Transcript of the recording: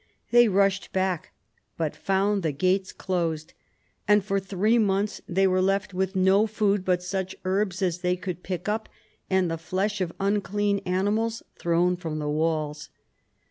They rushed back, but found the gates closed, and for three months they were left with no food but such herbs as they could pick up and the flesh of unclean animals thrown from the walls.